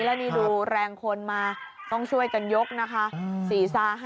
แล้วนี่ดูแรงคนมาต้องช่วยกันยกนะคะ